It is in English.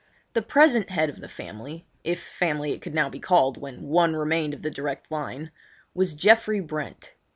The present head of the family—if family it could now be called when one remained of the direct line—was Geoffrey Brent.